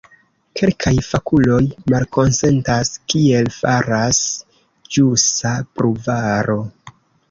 Kelkaj fakuloj malkonsentas, kiel faras ĵusa pruvaro.